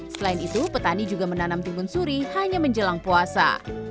selain itu petani juga menanam timun suri hanya menjelang puasa